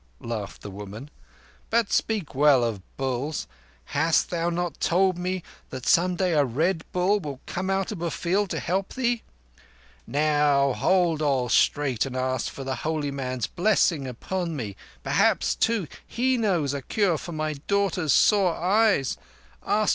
laughed the woman. "But speak well of bulls. Hast thou not told me that some day a Red Bull will come out of a field to help thee? Now hold all straight and ask for the holy man's blessing upon me. Perhaps, too, he knows a cure for my daughter's sore eyes. Ask.